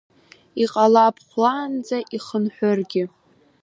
Иҟалап хәлаанӡа ихынҳәыргьы.